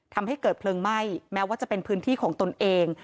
ทำให้เกิดเพลิงไหม้แม้ว่าจะเป็นพื้นที่ของตนเอง